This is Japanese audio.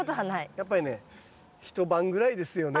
やっぱりね一晩ぐらいですよね。